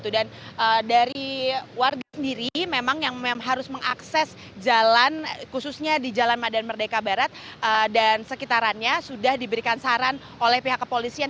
dan dari warga sendiri memang yang harus mengakses jalan khususnya di jalan medan merdeka barat dan sekitarannya sudah diberikan saran oleh pihak kepolisian